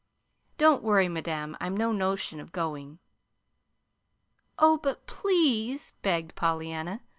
"Don't worry, madam. I've no notion of goin'." "Oh, but PLEASE," begged Pollyanna.